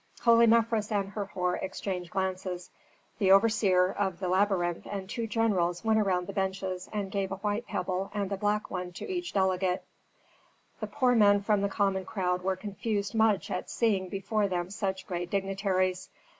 Holy Mefres and Herhor exchanged glances. The overseer of the labyrinth and two generals went around the benches and gave a white pebble and a black one to each delegate. The poor men from the common crowd were confused much at seeing before them such great dignitaries.